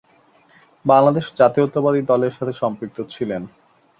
বাংলাদেশ জাতীয়তাবাদী দলের সাথে সম্পৃক্ত ছিলেন।